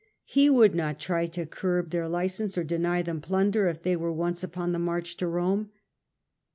He would not try to curb theii license or deny them plunder if they were once upon the march to Rome.